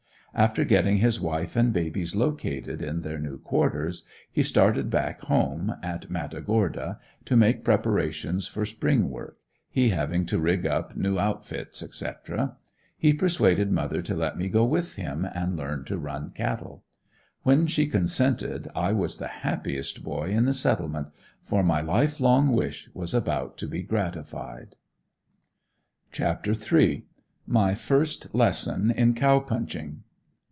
After getting his wife and babies located in their new quarters, he started back home, in Matagorda, to make preparations for spring work, he having to rig up new outfits, etc. He persuaded mother to let me go with him, and learn to run cattle. When she consented I was the happiest boy in the "Settlement," for my life long wish was about to be gratified. CHAPTER III. MY FIRST LESSON IN COW PUNCHING.